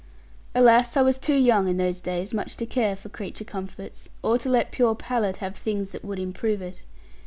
Alas, I was too young in those days much to care for creature comforts, or to let pure palate have things that would improve it.